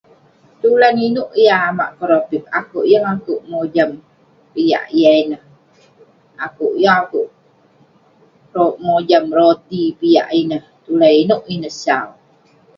Tulan inouk yah amak kerapip, akouk yeng akouk mojam piak yah ineh. Akouk yeng akouk pe- mojam roti piak ineh, tulan inouk ineh sau.